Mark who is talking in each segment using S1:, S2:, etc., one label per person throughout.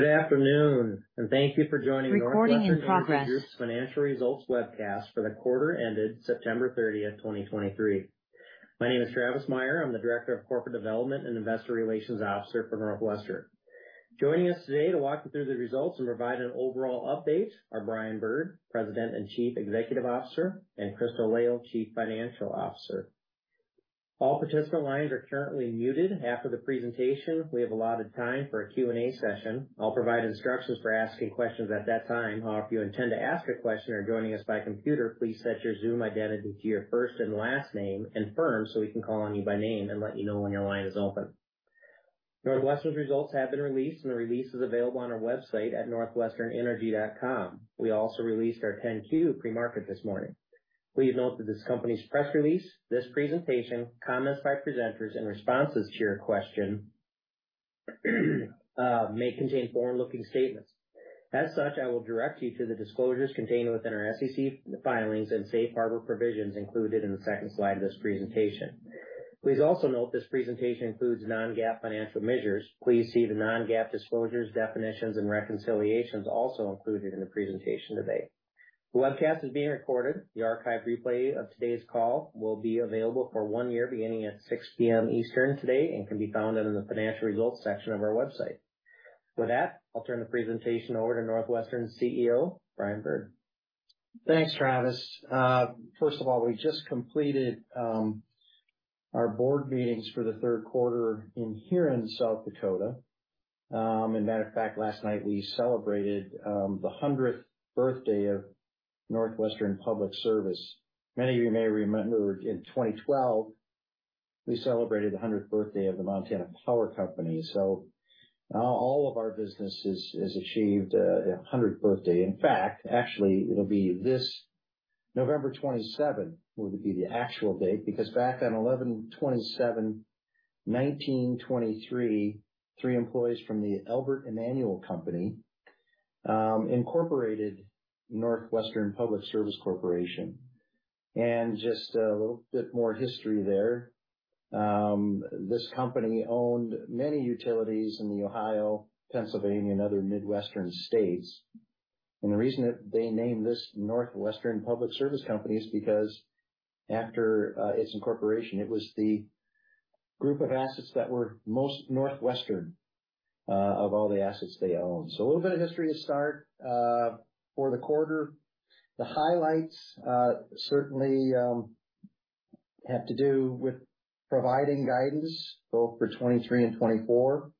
S1: Good afternoon, and thank you for joining- NorthWestern Energy Group's financial results webcast for the quarter ended September 30, 2023 My name is Travis Meyer. I'm the Director of Corporate Development and Investor Relations Officer for NorthWestern. Joining us today to walk you through the results and provide an overall update are Brian Bird, President and Chief Executive Officer, and Crystal Lail, Chief Financial Officer. All participant lines are currently muted. After the presentation, we have allotted time for a Q&A session. I'll provide instructions for asking questions at that time. If you intend to ask a question or are joining us by computer, please set your Zoom identity to your first and last name and firm, so we can call on you by name and let you know when your line is open. NorthWestern's results have been released, and the release is available on our website at northwesternenergy.com. We also released our 10-Q pre-market this morning. Please note that this company's press release, this presentation, comments by presenters, and responses to your question may contain forward-looking statements. As such, I will direct you to the disclosures contained within our SEC filings and safe harbor provisions included in the second slide of this presentation. Please also note this presentation includes non-GAAP financial measures. Please see the non-GAAP disclosures, definitions, and reconciliations also included in the presentation today. The webcast is being recorded. The archive replay of today's call will be available for one year, beginning at 6:00 P.M. Eastern today and can be found in the financial results section of our website. With that, I'll turn the presentation over to NorthWestern's CEO, Brian Bird.
S2: Thanks, Travis. First of all, we just completed our board meetings for the third quarter here in South Dakota. As a matter of fact, last night, we celebrated the hundredth birthday of NorthWestern Public Service. Many of you may remember, in 2012, we celebrated the hundredth birthday of the Montana Power Company. Now all of our businesses have achieved a hundredth birthday. In fact, actually, it will be this November twenty-seventh, which will be the actual date, because back on 11/27/1923, three employees from the Albert Emanuel Company incorporated NorthWestern Public Service Corporation. Just a little bit more history there. This company owned many utilities in Ohio, Pennsylvania, and other Midwestern states. The reason that they named this NorthWestern Public Service Company is because after its incorporation, it was the group of assets that were most northwestern of all the assets they owned. So a little bit of history to start. For the quarter, the highlights certainly have to do with providing guidance both for 2023 and 2024.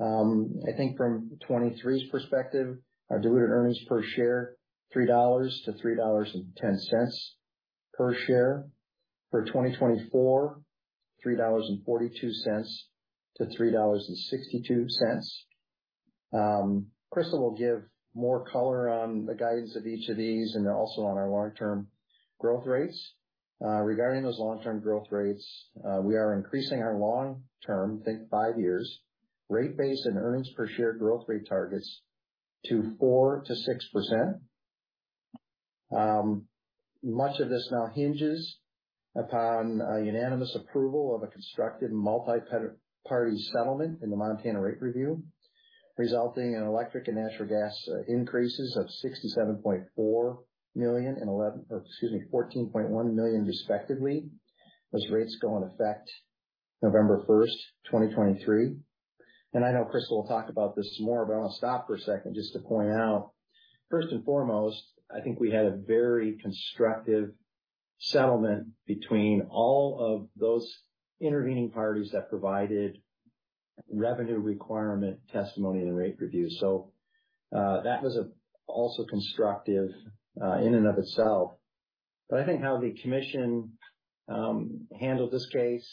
S2: I think from 2023's perspective, our diluted earnings per share $3.00-$3.10 per share. For 2024, $3.42-$3.62. Crystal will give more color on the guidance of each of these and also on our long-term growth rates. Regarding those long-term growth rates, we are increasing our long-term, think five years, rate base and earnings per share growth rate targets to 4%-6%. Much of this now hinges upon a unanimous approval of a constructive multi-party settlement in the Montana rate review, resulting in electric and natural gas increases of $67.4 million and $14.1 million, respectively. Those rates go in effect November 1, 2023. And I know Crystal will talk about this more, but I want to stop for a second just to point out, first and foremost, I think we had a very constructive settlement between all of those intervening parties that provided revenue requirement testimony and rate reviews. So, that was also constructive in and of itself. I think how the commission handled this case,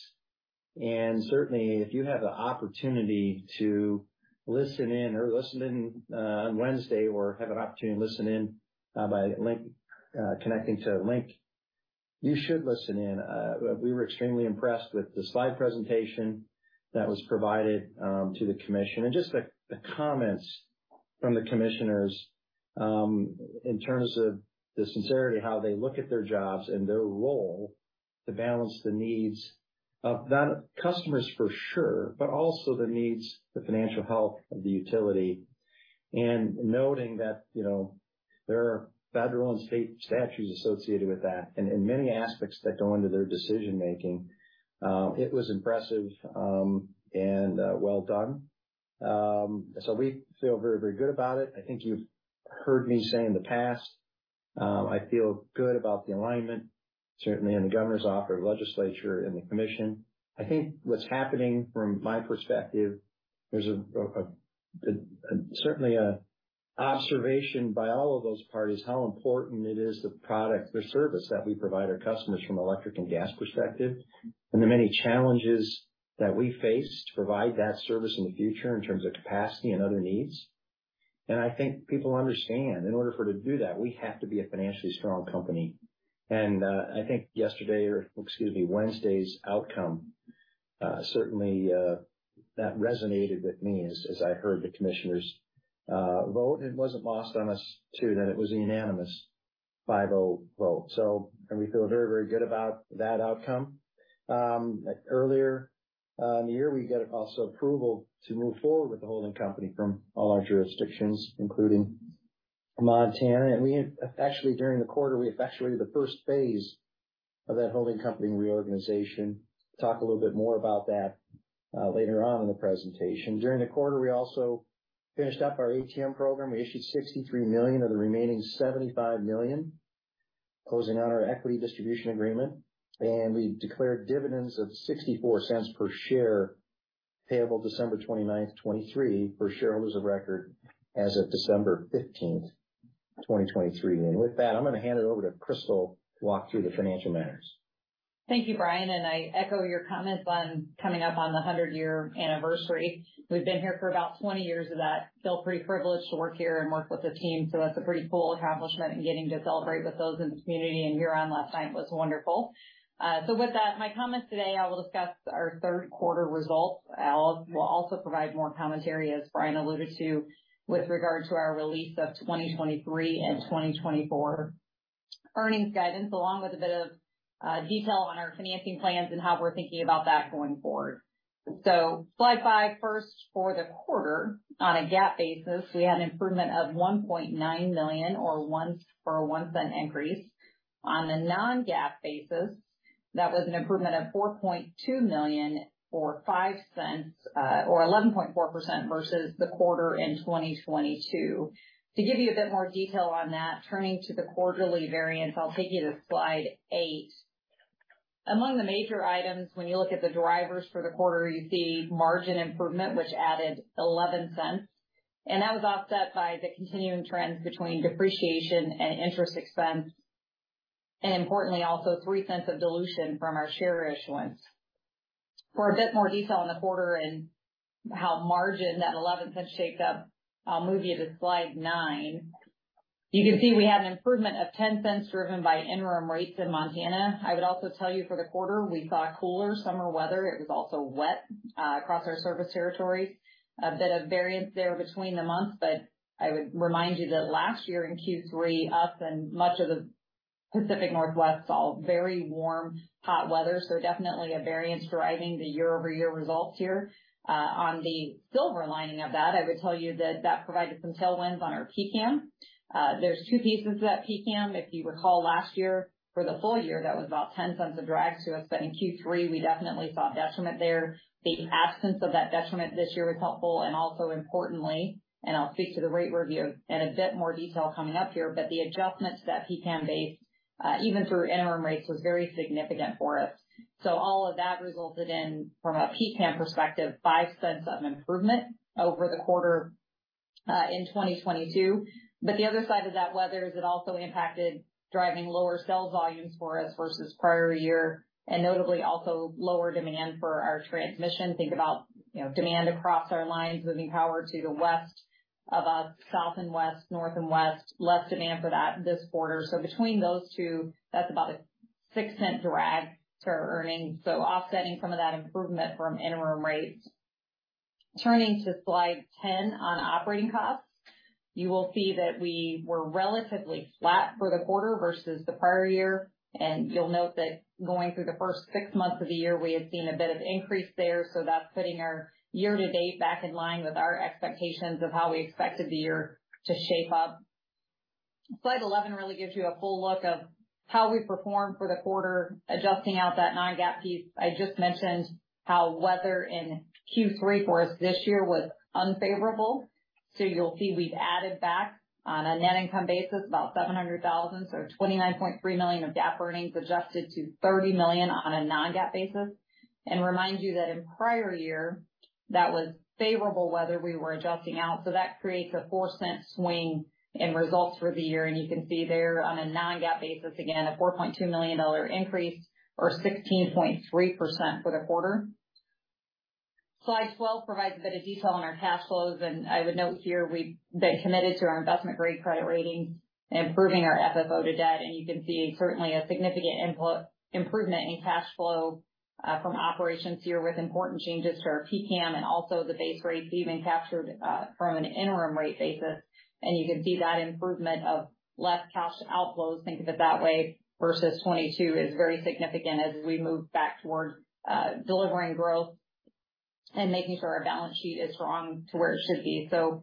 S2: and certainly if you have the opportunity to listen in or listen in on Wednesday or have an opportunity to listen in by link, connecting to a link, you should listen in. We were extremely impressed with the slide presentation that was provided to the commission and just the comments from the commissioners, in terms of the sincerity, how they look at their jobs and their role to balance the needs of the customers, for sure, but also the needs, the financial health of the utility, and noting that, you know, there are federal and state statutes associated with that, and in many aspects that go into their decision making. It was impressive, and well done. We feel very, very good about it. I think you've heard me say in the past, I feel good about the alignment, certainly in the governor's office, legislature, and the commission. I think what's happening from my perspective, there's certainly a observation by all of those parties, how important it is, the product or service that we provide our customers from an electric and gas perspective, and the many challenges that we face to provide that service in the future in terms of capacity and other needs. And I think people understand in order for to do that, we have to be a financially strong company. And, I think yesterday, or excuse me, Wednesday's outcome, certainly that resonated with me as I heard the commissioners vote. It wasn't lost on us, too, that it was unanimous 5-0 vote. So and we feel very, very good about that outcome. Earlier, in the year, we got also approval to move forward with the holding company from all our jurisdictions, including Montana. We effectively, during the quarter, we effectuated the first phase of that holding company reorganization. Talk a little bit more about that later on in the presentation. During the quarter, we also finished up our ATM program. We issued $63 million of the remaining $75 million, closing out our equity distribution agreement, and we declared dividends of $0.64 per share, payable December 29, 2023, to shareholders of record as of December 15, 2023. With that, I'm going to hand it over to Crystal to walk through the financial matters.
S3: Thank you, Brian, and I echo your comments on coming up on the 100-year anniversary. We've been here for about 20 years of that. Feel pretty privileged to work here and work with the team, so that's a pretty cool accomplishment and getting to celebrate with those in the community, and the one last night was wonderful. So with that, my comments today, I will discuss our third quarter results. We'll also provide more commentary, as Brian alluded to, with regard to our release of 2023 and 2024 earnings guidance, along with a bit of detail on our financing plans and how we're thinking about that going forward. So slide 5. First, for the quarter, on a GAAP basis, we had an improvement of $1.9 million or 1, or a 1 cent increase. On the non-GAAP basis, that was an improvement of $4.2 million or $0.05 or 11.4% versus the quarter in 2022. To give you a bit more detail on that, turning to the quarterly variance, I'll take you to slide 8. Among the major items, when you look at the drivers for the quarter, you see margin improvement, which added $0.11, and that was offset by the continuing trends between depreciation and interest expense, and importantly, also $0.03 of dilution from our share issuance. For a bit more detail on the quarter and how margin, that $0.11 shaped up, I'll move you to slide 9. You can see we had an improvement of $0.10, driven by interim rates in Montana. I would also tell you, for the quarter, we saw cooler summer weather. It was also wet, across our service territories. A bit of variance there between the months, but I would remind you that last year in Q3, us and much of the Pacific Northwest, saw very warm, hot weather. So definitely a variance driving the year-over-year results here. On the silver lining of that, I would tell you that that provided some tailwinds on our PCAM. There's two pieces to that PCAM. If you recall last year, for the full year, that was about $0.10 of drag to us, but in Q3, we definitely saw a detriment there. The absence of that detriment this year was helpful, and also importantly, and I'll speak to the rate review in a bit more detail coming up here, but the adjustments that PCAM made, even through interim rates, was very significant for us. So all of that resulted in, from a PCAM perspective, $0.05 of improvement over the quarter in 2022. But the other side of that weather is it also impacted driving lower sales volumes for us versus prior year and notably also lower demand for our transmission. Think about, you know, demand across our lines, moving power to the west of us, south and west, north and west. Less demand for that this quarter. So between those two, that's about a $0.06 drag to our earnings. So offsetting some of that improvement from interim rates. Turning to slide 10 on operating costs, you will see that we were relatively flat for the quarter versus the prior year, and you'll note that going through the first six months of the year, we have seen a bit of increase there. That's putting our year-to-date back in line with our expectations of how we expected the year to shape up. Slide 11 really gives you a full look of how we performed for the quarter, adjusting out that non-GAAP piece. I just mentioned how weather in Q3 for us this year was unfavorable. You'll see we've added back on a net income basis, about $700,000, so $29.3 million of GAAP earnings adjusted to $30 million on a non-GAAP basis. Remind you that in prior year, that was favorable weather we were adjusting out, so that creates a $0.04 swing in results for the year. You can see there on a non-GAAP basis, again, a $4.2 million increase or 16.3% for the quarter. Slide 12 provides a bit of detail on our cash flows, and I would note here we've been committed to our investment-grade credit rating and improving our FFO to debt. And you can see certainly a significant input, improvement in cash flow from operations here, with important changes to our PCAM and also the base rates even captured from an interim rate basis. And you can see that improvement of less cash outflows, think of it that way, versus 2022 is very significant as we move back towards delivering growth and making sure our balance sheet is strong to where it should be. So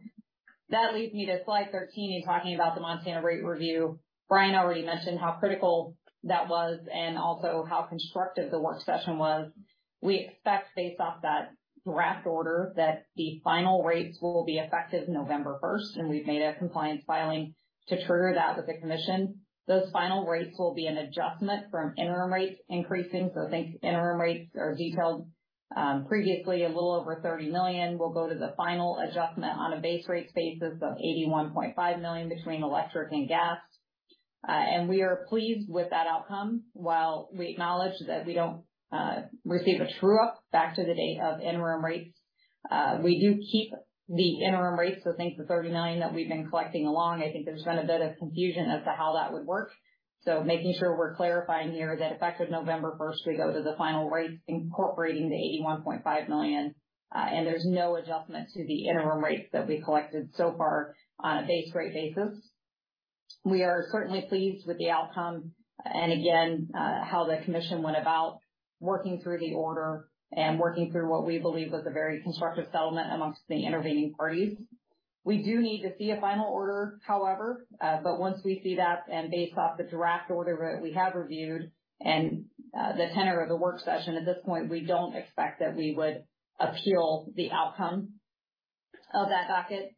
S3: that leads me to slide 13 and talking about the Montana rate review. Brian already mentioned how critical that was and also how constructive the work session was. We expect, based off that draft order, that the final rates will be effective November 1, and we've made a compliance filing to trigger that with the commission. Those final rates will be an adjustment from interim rates increasing, so I think interim rates are detailed previously a little over $30 million, will go to the final adjustment on a base rate basis of $81.5 million between electric and gas. And we are pleased with that outcome. While we acknowledge that we don't receive a true up back to the date of interim rates, we do keep the interim rates. So think the $30 million that we've been collecting along. I think there's been a bit of confusion as to how that would work. So making sure we're clarifying here that effective November first, we go to the final rates incorporating the $81.5 million, and there's no adjustment to the interim rates that we collected so far on a base rate basis. We are certainly pleased with the outcome, and again, how the Commission went about working through the order and working through what we believe was a very constructive settlement amongst the intervening parties. We do need to see a final order, however, but once we see that and based off the draft order that we have reviewed and, the tenor of the work session, at this point, we don't expect that we would appeal the outcome of that docket.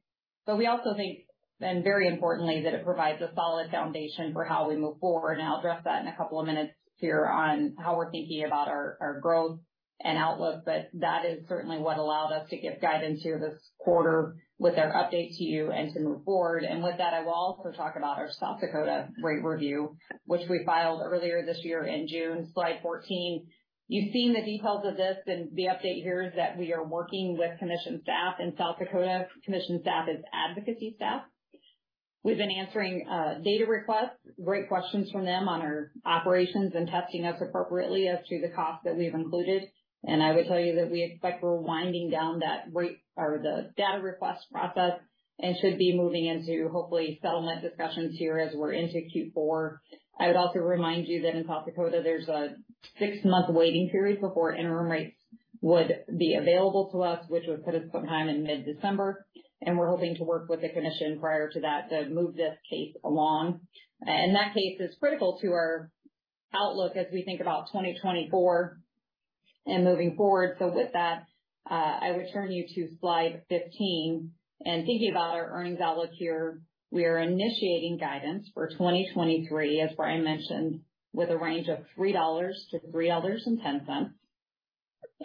S3: But we also think, and very importantly, that it provides a solid foundation for how we move forward, and I'll address that in a couple of minutes here on how we're thinking about our, our growth and outlook. But that is certainly what allowed us to give guidance here this quarter with our update to you and to move forward. And with that, I will also talk about our South Dakota rate review, which we filed earlier this year in June. Slide 14. You've seen the details of this, and the update here is that we are working with commission staff in South Dakota. Commission staff is advocacy staff. We've been answering data requests, great questions from them on our operations and testing us appropriately as to the cost that we've included. I would tell you that we expect we're winding down that rate or the data request process and should be moving into hopefully settlement discussions here as we're into Q4. I would also remind you that in South Dakota, there's a six-month waiting period before interim rates would be available to us, which would put us sometime in mid-December, and we're hoping to work with the commission prior to that to move this case along. And that case is critical to our outlook as we think about 2024 and moving forward. So with that, I would turn you to slide 15. Thinking about our earnings outlook here, we are initiating guidance for 2023, as Brian mentioned, with a range of $3.00-$3.10,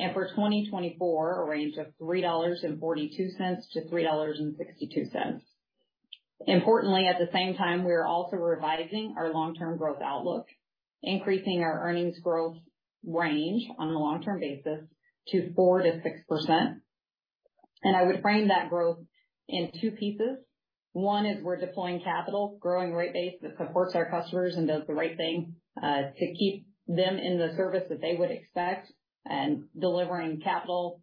S3: and for 2024, a range of $3.42-$3.62. Importantly, at the same time, we are also revising our long-term growth outlook, increasing our earnings growth range on a long-term basis to 4%-6%. I would frame that growth in two pieces. One is we're deploying capital, growing rate base that supports our customers and does the right thing, to keep them in the service that they would expect and delivering capital,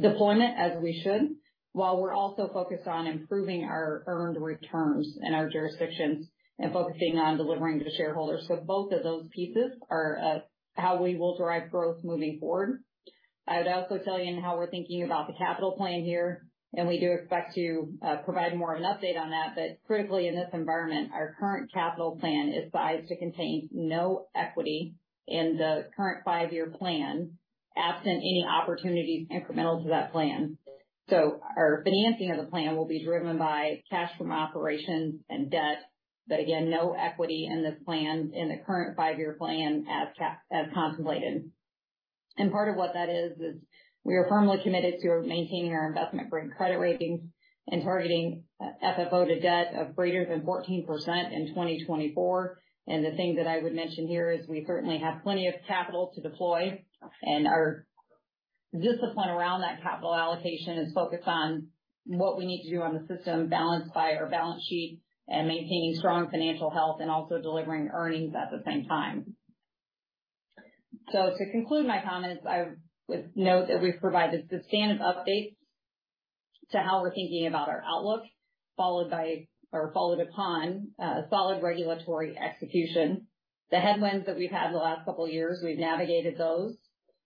S3: deployment as we should, while we're also focused on improving our earned returns in our jurisdictions and focusing on delivering to shareholders. So both of those pieces are how we will derive growth moving forward. I would also tell you in how we're thinking about the capital plan here, and we do expect to provide more of an update on that. But critically, in this environment, our current capital plan is sized to contain no equity in the current five-year plan, absent any opportunities incremental to that plan. So our financing of the plan will be driven by cash from operations and debt, but again, no equity in this plan, in the current five-year plan as contemplated. And part of what that is, is we are firmly committed to maintaining our investment-grade credit ratings and targeting FFO to debt of greater than 14% in 2024. The thing that I would mention here is we certainly have plenty of capital to deploy, and our discipline around that capital allocation is focused on what we need to do on the system, balanced by our balance sheet and maintaining strong financial health and also delivering earnings at the same time. To conclude my comments, I would note that we've provided substantive updates to how we're thinking about our outlook, followed by or followed upon, solid regulatory execution. The headwinds that we've had the last couple of years, we've navigated those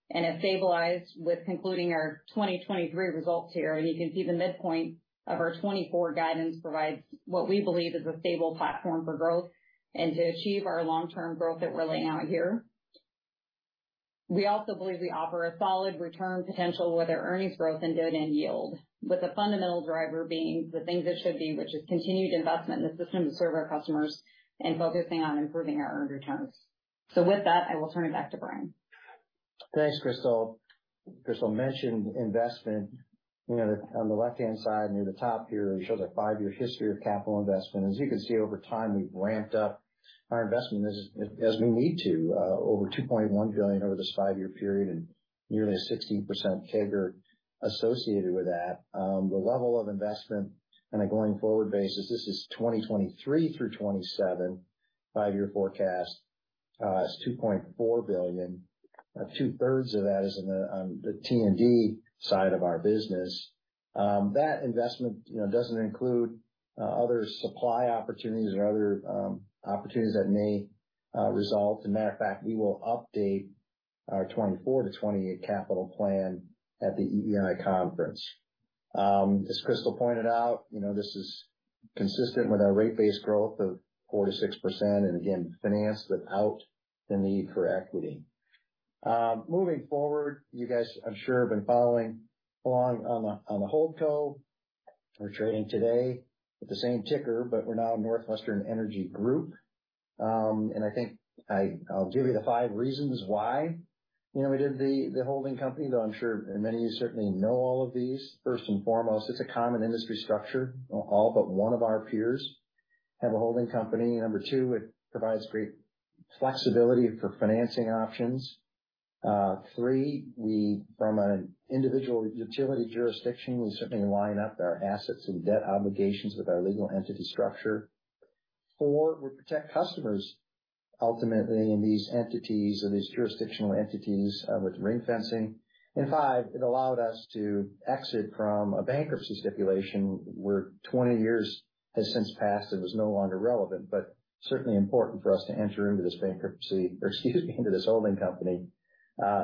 S3: and have stabilized with concluding our 2023 results here. You can see the midpoint of our 2024 guidance provides what we believe is a stable platform for growth and to achieve our long-term growth that we're laying out here. We also believe we offer a solid return potential with our earnings growth and dividend yield, with the fundamental driver being the things it should be, which is continued investment in the system to serve our customers and focusing on improving our earned returns. So with that, I will turn it back to Brian.
S2: Thanks, Crystal. Crystal mentioned investment. You know, on the left-hand side, near the top here, it shows a five-year history of capital investment. As you can see, over time, we've ramped up our investment as we need to over $2.1 billion over this five-year period and nearly a 16% CAGR associated with that. The level of investment on a going-forward basis, this is 2023 through 2027 five-year forecast, is $2.4 billion. Two-thirds of that is in the T&D side of our business. That investment, you know, doesn't include other supply opportunities or other opportunities that may result. As a matter of fact, we will update our 2024-2028 capital plan at the EEI Conference. As Crystal pointed out, you know, this is consistent with our rate base growth of 4%-6% and, again, financed without the need for equity. Moving forward, you guys, I'm sure, have been following along on the, on the holdco. We're trading today with the same ticker, but we're now NorthWestern Energy Group. And I think I'll give you the five reasons why, you know, we did the, the holding company, though I'm sure many of you certainly know all of these. First and foremost, it's a common industry structure. All but one of our peers have a holding company. Number two, it provides great flexibility for financing options. Three, we, from an individual utility jurisdiction, we certainly line up our assets and debt obligations with our legal entity structure. Four, we protect customers, ultimately, in these entities or these jurisdictional entities with ring-fencing. And five, it allowed us to exit from a bankruptcy stipulation where 20 years has since passed and was no longer relevant, but certainly important for us to enter into this bankruptcy or, excuse me, into this holding company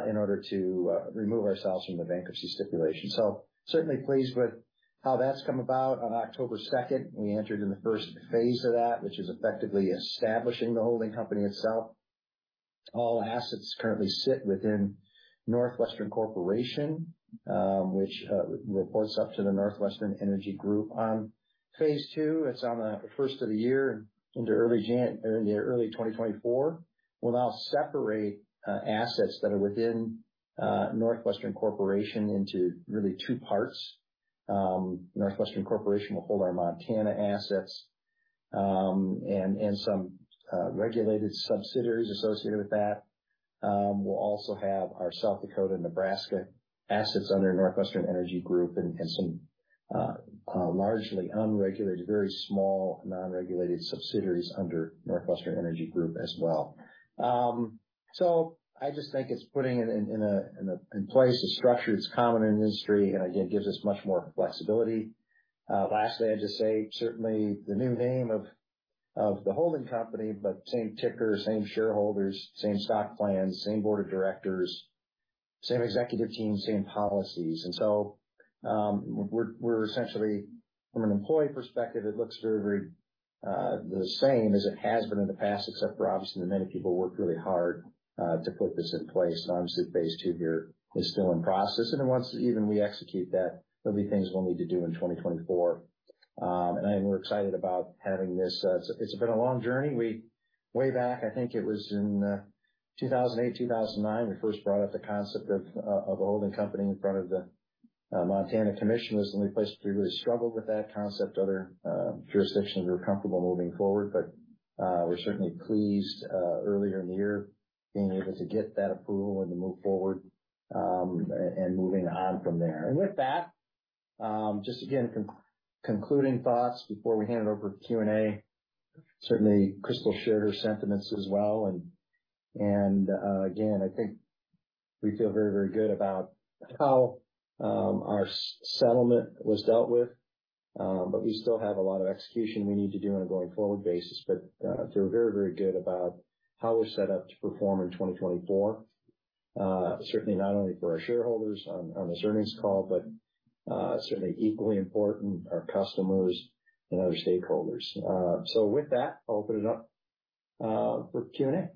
S2: in order to remove ourselves from the bankruptcy stipulation. So certainly pleased with how that's come about. On October second, we entered in the first phase of that, which is effectively establishing the holding company itself. All assets currently sit within NorthWestern Corporation, which reports up to the NorthWestern Energy Group. On phase two, it's on the first of the year into early 2024, we'll now separate assets that are within NorthWestern Corporation into really two parts. NorthWestern Corporation will hold our Montana assets, and some regulated subsidiaries associated with that. We'll also have our South Dakota, Nebraska assets under NorthWestern Energy Group and some largely unregulated, very small, non-regulated subsidiaries under NorthWestern Energy Group as well. So I just think it's putting in place a structure that's common in the industry, and again, gives us much more flexibility. Lastly, I'd just say certainly the new name of the holding company, but same ticker, same shareholders, same stock plans, same board of directors, same executive team, same policies. And so, we're essentially, from an employee perspective, it looks very, very the same as it has been in the past, except for obviously the many people who worked really hard to put this in place. And obviously, phase two here is still in process, and then once even we execute that, there'll be things we'll need to do in 2024. And I am more excited about having this. It's been a long journey. Way back, I think it was in 2008, 2009, we first brought up the concept of a holding company in front of the Montana commissioners, and we placed... We really struggled with that concept. Other jurisdictions were comfortable moving forward, but we're certainly pleased earlier in the year, being able to get that approval and to move forward, and moving on from there. And with that, just again, concluding thoughts before we hand it over to Q&A. Certainly, Crystal shared her sentiments as well. Again, I think we feel very, very good about how our settlement was dealt with, but we still have a lot of execution we need to do on a going-forward basis. But feel very, very good about how we're set up to perform in 2024, certainly not only for our shareholders on this earnings call, but certainly equally important, our customers and other stakeholders. With that, I'll open it up for Q&A.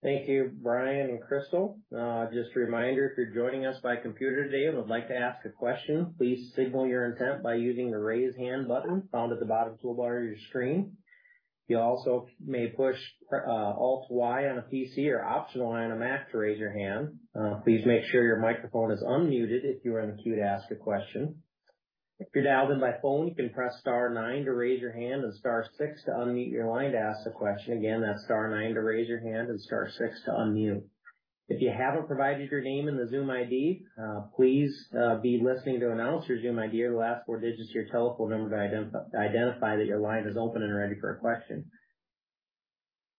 S1: Thank you, Brian and Crystal. Just a reminder, if you're joining us by computer today and would like to ask a question, please signal your intent by using the Raise Hand button found at the bottom toolbar of your screen. You also may push Alt Y on a PC or Option Y on a Mac to raise your hand. Please make sure your microphone is unmuted if you are in the queue to ask a question. If you're dialed in by phone, you can press star nine to raise your hand and star six to unmute your line to ask a question. Again, that's star nine to raise your hand and star six to unmute. If you haven't provided your name in the Zoom ID, please be listening to announce your Zoom ID or the last four digits of your telephone number to identify that your line is open and ready for a question.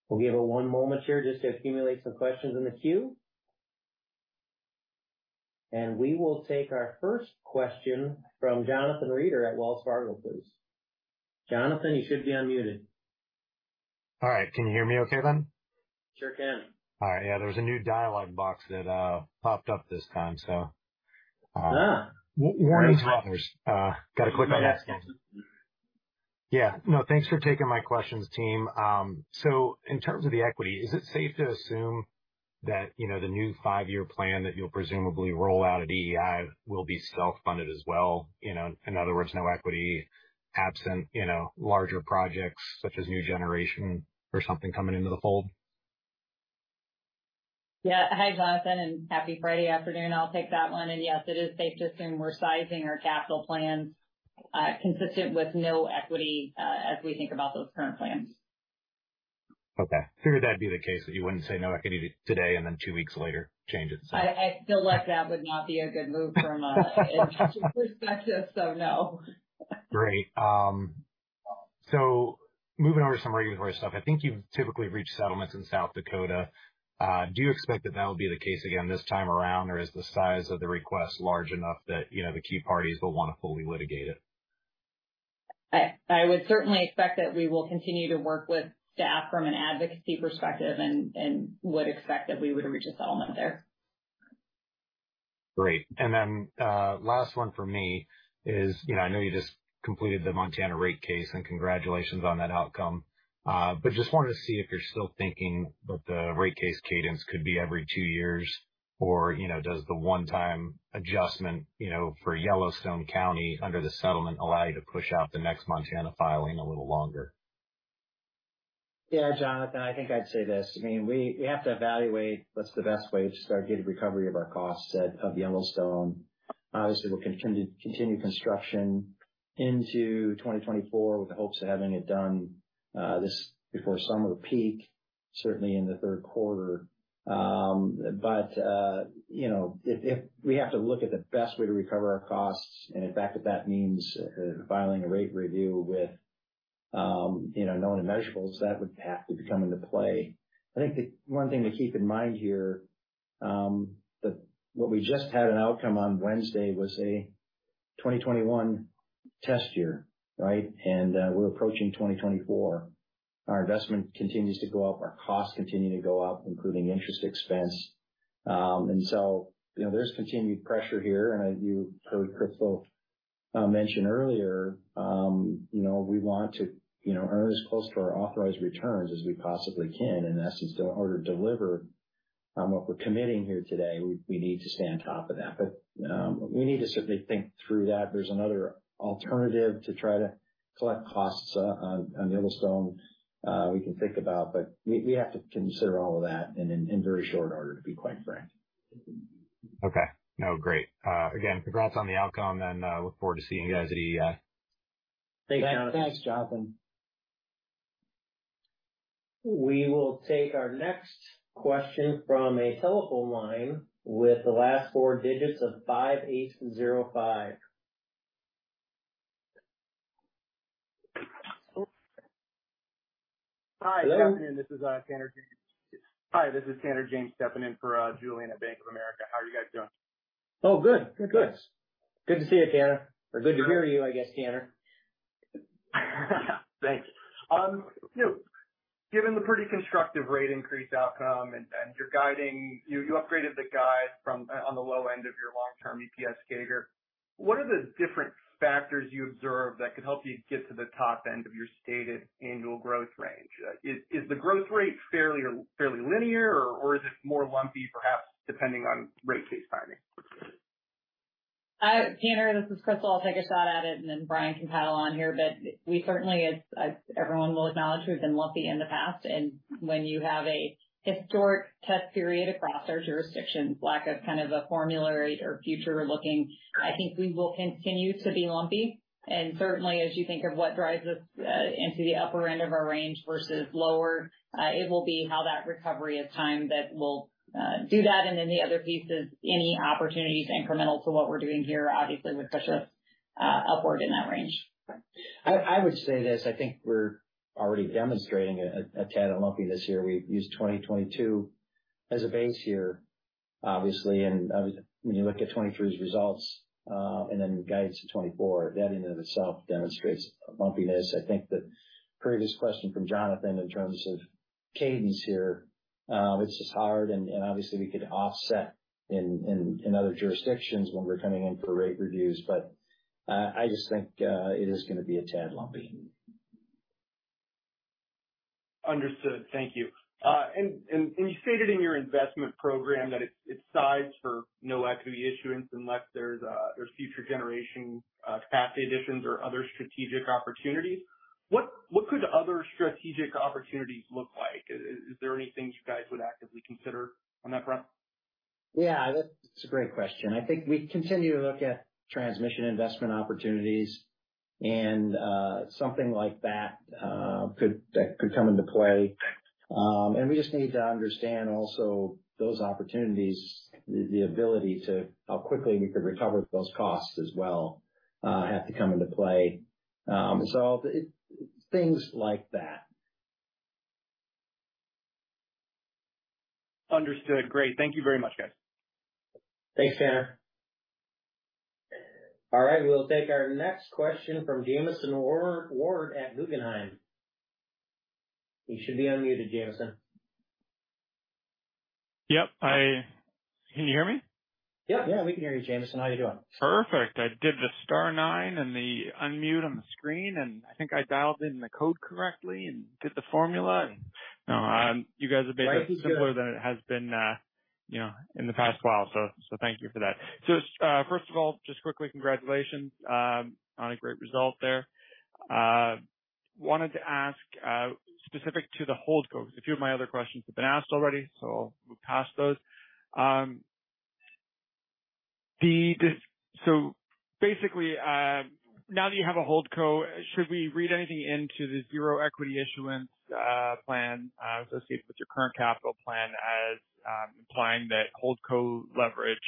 S1: We'll give it one moment here just to accumulate some questions in the queue. We will take our first question from Jonathan Reeder at Wells Fargo, please. Jonathan, you should be unmuted.
S4: All right. Can you hear me okay, then?
S1: Sure can.
S4: All right. Yeah, there was a new dialog box that popped up this time, so-
S1: Ah!
S4: Warning to others. Got to click on that. Yeah. No, thanks for taking my questions, team. So in terms of the equity, is it safe to assume that, you know, the new five-year plan that you'll presumably roll out at EEI will be self-funded as well? You know, in other words, no equity absent, you know, larger projects such as new generation or something coming into the fold.
S3: Yeah. Hi, Jonathan, and happy Friday afternoon. I'll take that one. Yes, it is safe to assume we're sizing our capital plans, consistent with no equity, as we think about those current plans.
S4: Okay. Figured that'd be the case, that you wouldn't say no equity today and then two weeks later, change it, so.
S3: I feel like that would not be a good move from a perspective, so no.
S4: Great. Moving on to some regulatory stuff, I think you've typically reached settlements in South Dakota. Do you expect that that will be the case again this time around, or is the size of the request large enough that, you know, the key parties will want to fully litigate it?
S3: I would certainly expect that we will continue to work with staff from an advocacy perspective and would expect that we would reach a settlement there.
S4: Great. And then, last one from me is, you know, I know you just completed the Montana rate case, and congratulations on that outcome. But just wanted to see if you're still thinking that the rate case cadence could be every two years, or, you know, does the one-time adjustment, you know, for Yellowstone County under the settlement allow you to push out the next Montana filing a little longer?
S2: Yeah, Jonathan, I think I'd say this: I mean, we have to evaluate what's the best way to start getting recovery of our costs at Yellowstone. Obviously, we'll continue construction into 2024 with the hopes of having it done before summer peak, certainly in the third quarter. But you know, if we have to look at the best way to recover our costs, and if that means filing a rate review with known and measurables, that would have to come into play. I think the one thing to keep in mind here, that what we just had an outcome on Wednesday was a 2021 test year, right? And we're approaching 2024. Our investment continues to go up. Our costs continue to go up, including interest expense. And so, you know, there's continued pressure here, and as you, as Crystal mentioned earlier, you know, we want to, you know, earn as close to our authorized returns as we possibly can, and that's in order to deliver what we're committing here today, we need to stay on top of that. But we need to certainly think through that. There's another alternative to try to collect costs on Yellowstone, we can think about, but we have to consider all of that in very short order, to be quite frank.
S4: Okay. No, great. Again, congrats on the outcome, and look forward to seeing you guys at the,
S2: Thanks, Jonathan. Thanks, Jonathan. We will take our next question from a telephone line with the last four digits of 5805.
S5: Hi, good afternoon. This is Tanner James. Hi, this is Tanner James stepping in for Julien at Bank of America. How are you guys doing?
S2: Oh, good. Good, good. Good to see you, Tanner. Or good to hear you, I guess, Tanner.
S5: Thanks. You know, given the pretty constructive rate increase outcome and you're guiding. You upgraded the guide from on the low end of your long-term EPS growth rate. What are the different factors you observed that could help you get to the top end of your stated annual growth range? Is the growth rate fairly linear, or is it more lumpy, perhaps, depending on rate case timing?
S3: Tanner, this is Crystal. I'll take a shot at it, and then Brian can pile on here. But we certainly, as everyone will acknowledge, we've been lumpy in the past, and when you have a historic test period across our jurisdictions, lack of kind of a formula rate or future-looking, I think we will continue to be lumpy. And certainly, as you think of what drives us into the upper end of our range versus lower, it will be how that recovery is timed that will do that, and then the other piece is any opportunities incremental to what we're doing here obviously would push us upward in that range.
S2: I would say this: I think we're already demonstrating a tad of lumpiness here. We've used 2022 as a base year, obviously, and when you look at 2023's results and then guides to 2024, that in and of itself demonstrates a lumpiness. I think the previous question from Jonathan in terms of cadence here, it's just hard and obviously we could offset in other jurisdictions when we're coming in for rate reviews, but I just think it is gonna be a tad lumpy.
S5: Understood. Thank you. And you stated in your investment program that it's sized for no equity issuance unless there's future generation capacity additions or other strategic opportunities. What could other strategic opportunities look like? Is there anything you guys would actively consider on that front?
S2: Yeah, that's a great question. I think we continue to look at transmission investment opportunities and something like that could come into play. And we just need to understand also those opportunities, the ability to how quickly we could recover those costs as well have to come into play. So it... things like that.
S5: Understood. Great. Thank you very much, guys.
S1: Thanks, Tanner. All right, we'll take our next question from Jamieson Ward at Guggenheim. You should be unmuted, Jamieson.
S6: Yep, can you hear me? Yep. Yeah, we can hear you, Jamieson. How you doing? Perfect. I did the star nine and the unmute on the screen, and I think I dialed in the code correctly and did the formula. You guys have made this simpler- Life is good. -than it has been, you know, in the past while, so, so thank you for that. So, first of all, just quickly, congratulations, on a great result there. Wanted to ask, specific to the holdco, because a few of my other questions have been asked already, so I'll move past those. So basically, now that you have a holdco, should we read anything into the zero equity issuance, plan, associated with your current capital plan as, implying that holdco leverage,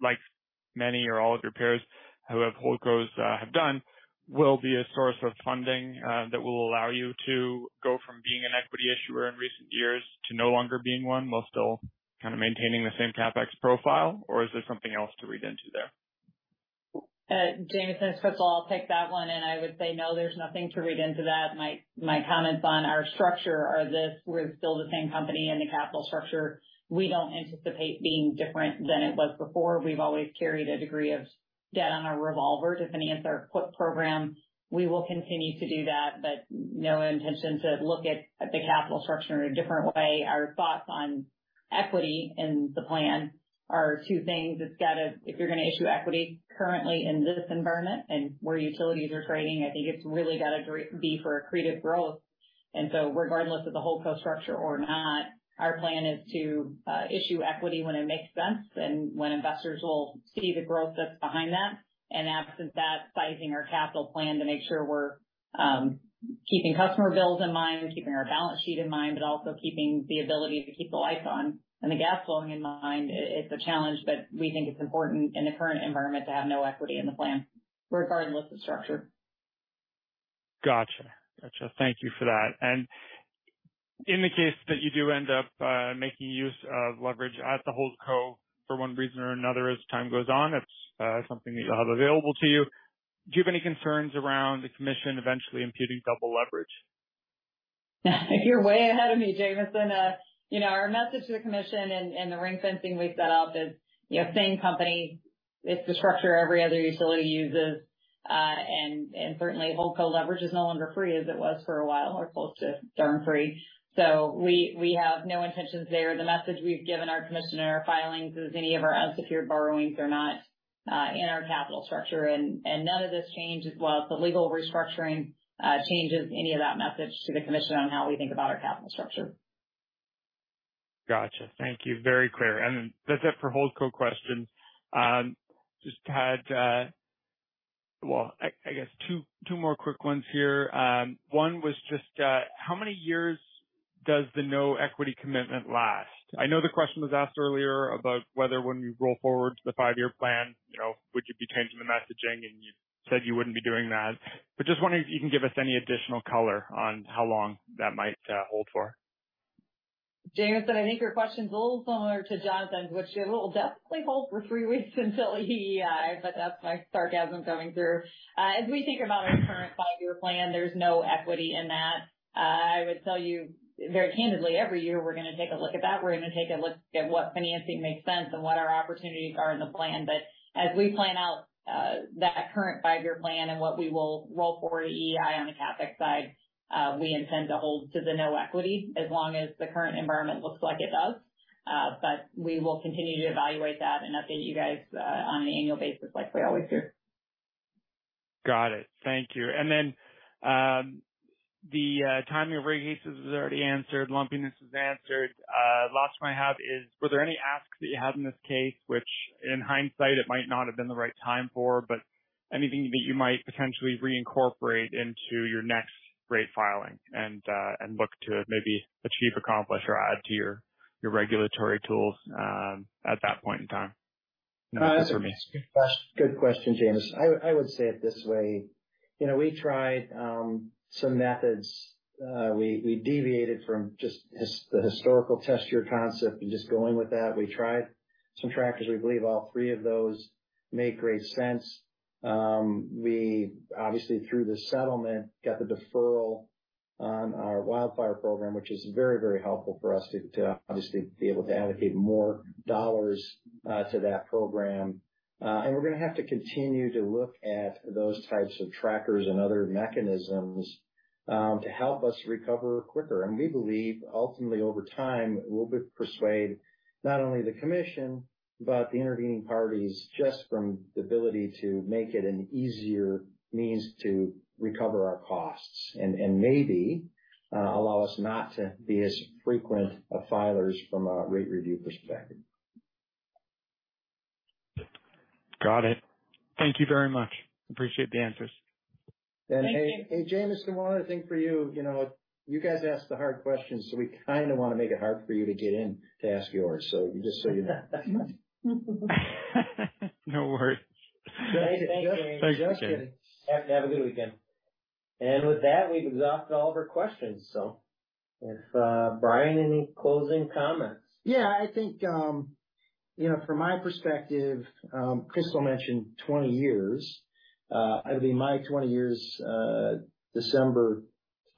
S6: like many or all of your peers who have holdcos, have done, will be a source of funding, that will allow you to go from being an equity issuer in recent years to no longer being one, while still kind of maintaining the same CapEx profile? Or is there something else to read into there?
S3: Jamieson, it's Crystal. I'll take that one, and I would say no, there's nothing to read into that. My, my comments on our structure are this: we're still the same company and the capital structure, we don't anticipate being different than it was before. We've always carried a degree of debt on our revolver to finance our CWIP program. We will continue to do that, but no intention to look at the capital structure in a different way. Our thoughts on equity and the plan are two things: It's got to-- if you're going to issue equity currently in this environment and where utilities are trading, I think it's really got to be for accretive growth, and so regardless of the holdco structure or not.... Our plan is to issue equity when it makes sense and when investors will see the growth that's behind that. Absent that, sizing our capital plan to make sure we're keeping customer bills in mind, keeping our balance sheet in mind, but also keeping the ability to keep the lights on and the gas flowing in mind. It's a challenge, but we think it's important in the current environment to have no equity in the plan regarding with the structure.
S6: Gotcha. Gotcha. Thank you for that. In the case that you do end up making use of leverage at the holdco for one reason or another, as time goes on, that's something that you'll have available to you. Do you have any concerns around the commission eventually impeding double leverage?
S3: You're way ahead of me, Jamieson. You know, our message to the commission and the ring-fencing we've set up is, you know, same company. It's the structure every other utility uses. And certainly, holdco leverage is no longer free, as it was for a while, or close to darn free. So we have no intentions there. The message we've given our commission in our filings is any of our unsecured borrowings are not in our capital structure, and none of this changes while the legal restructuring changes any of that message to the commission on how we think about our capital structure.
S6: Gotcha. Thank you. Very clear. And then that's it for holdco questions. Just had two more quick ones here. One was just how many years does the no equity commitment last? I know the question was asked earlier about whether when you roll forward to the five-year plan, you know, would you be changing the messaging, and you said you wouldn't be doing that. But just wondering if you can give us any additional color on how long that might hold for.
S3: Jamieson, I think your question is a little similar to Jonathan's, which it will definitely hold for three weeks until EEI, but that's my sarcasm coming through. As we think about our current five-year plan, there's no equity in that. I would tell you very candidly, every year, we're going to take a look at that. We're going to take a look at what financing makes sense and what our opportunities are in the plan. But as we plan out, that current five-year plan and what we will roll forward to EEI on the CapEx side, we intend to hold to the no equity as long as the current environment looks like it does. But we will continue to evaluate that and update you guys, on an annual basis, like we always do.
S6: Got it. Thank you. And then, timing of rate cases was already answered, lumpiness was answered. Last one I have is, were there any asks that you had in this case, which in hindsight, it might not have been the right time for, but anything that you might potentially reincorporate into your next rate filing and, and look to maybe achieve, accomplish, or add to your, your regulatory tools, at that point in time?
S2: Good question, Jamieson. I would say it this way: you know, we tried some methods. We deviated from just the historical test year concept and just going with that. We tried some trackers. We believe all three of those make great sense. We obviously, through the settlement, got the deferral on our wildfire program, which is very, very helpful for us to obviously be able to allocate more dollars to that program. And we're going to have to continue to look at those types of trackers and other mechanisms to help us recover quicker. We believe ultimately, over time, we'll be able to persuade not only the commission, but the intervening parties, just from the ability to make it an easier means to recover our costs and maybe allow us not to be as frequent of filers from a rate review perspective.
S6: Got it. Thank you very much. Appreciate the answers.
S3: Thank you.
S2: And hey, hey, Jamieson, one other thing for you, you know, you guys ask the hard questions, so we kind of want to make it hard for you to get in to ask yours. So just so you know.
S6: No worries.
S3: Thank you.
S2: Thanks.
S6: Thanks again.
S2: Have a good weekend.
S1: With that, we've exhausted all of our questions, so if Brian, any closing comments?
S2: Yeah, I think, you know, from my perspective, Crystal mentioned 20 years. It'll be my 20 years, December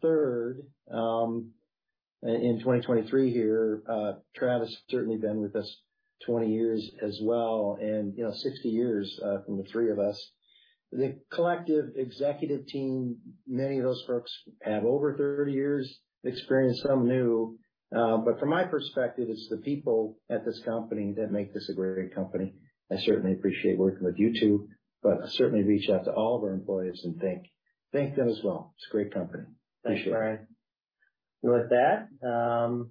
S2: third, in 2023 here. Travis certainly been with us 20 years as well. You know, 60 years from the three of us. The collective executive team, many of those folks have over 30 years experience, some new. But from my perspective, it's the people at this company that make this a great company. I certainly appreciate working with you, too, but certainly reach out to all of our employees and thank them as well. It's a great company.
S1: Thanks, Brian. With that,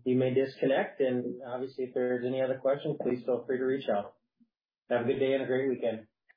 S1: you may disconnect, and obviously, if there's any other questions, please feel free to reach out. Have a good day and a great weekend.